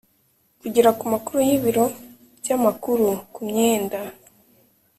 Kugera ku makuru y ibiro by amakuru ku myenda